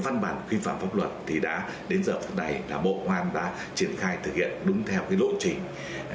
văn bản khuyên phạm pháp luật thì đến giờ thức này là bộ công an đã triển khai thực hiện đúng theo lỗ trình